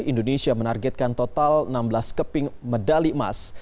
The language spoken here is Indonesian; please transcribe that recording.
indonesia menargetkan total enam belas keping medali emas